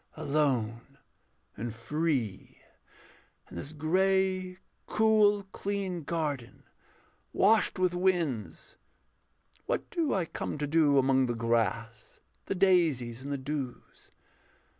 Alone and free In this grey, cool, clean garden, washed with winds, What do I come to do among the grass, The daisies, and the dews?